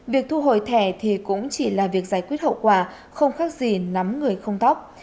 việc thu hồi thẻ thì cũng chỉ là việc giải quyết hậu quả không khác gì nắm người không tóc